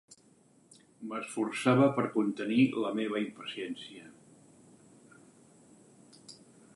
M'esforçava per contenir la meva impaciència.